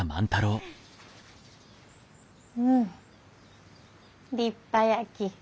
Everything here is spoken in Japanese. うん立派やき。